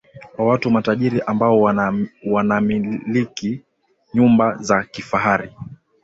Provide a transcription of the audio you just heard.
kwa watu matajiri ambao wanamiliki nyumba za kifahari